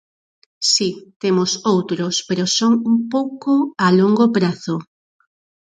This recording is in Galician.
Si, temos outros pero son un pouco a longo prazo.